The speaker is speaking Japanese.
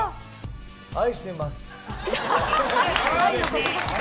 愛してます。